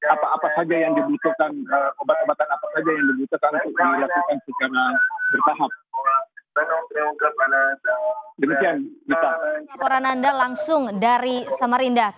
apa apa saja yang dibutuhkan obat obatan apa saja yang dibutuhkan untuk dilakukan secara bertahap